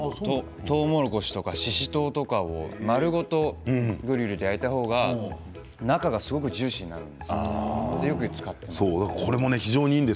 とうもろこしとかししとうとか、丸ごとグリルで焼いた方が中がジューシーになるので、よく使っています。